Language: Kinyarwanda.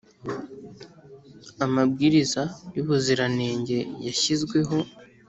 amabwiriza y ubuziranenge yashyizweho